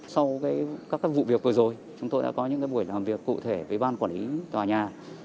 sau các vụ việc vừa rồi chúng tôi đã có những buổi làm việc cụ thể với ban quản lý tòa nhà